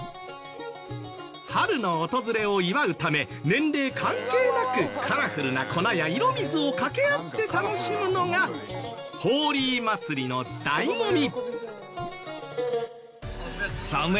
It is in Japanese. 春の訪れを祝うため年齢関係なくカラフルな粉や色水をかけ合って楽しむのがホーリー祭りの醍醐味。